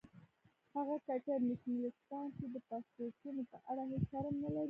هغه کټر نیشنلستان چې د پاسپورټونو په اړه هیڅ شرم نه لري.